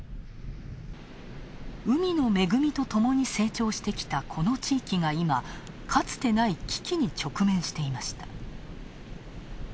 海の恵みとともに成長してきたこの地域が今、かつてない危機に直面していました。